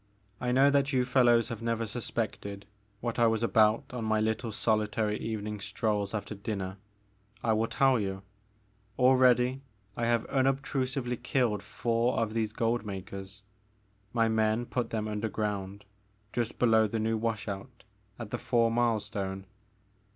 I know that you fellows have never suspected what I was about on my little solitary evening strolls after dinner. I will tell you. Already I have unobtrusively killed four of these gold makers, — ^my men put them under ground just below the new wash out at the four mile stone.